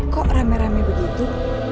kok rame rame begitu